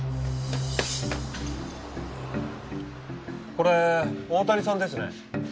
これ大谷さんですね。